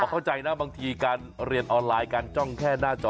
เข้าใจนะบางทีการเรียนออนไลน์การจ้องแค่หน้าจอ